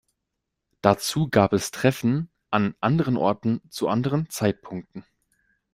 Dazu gab es Treffen an anderen Orten zu anderen Zeitpunkten.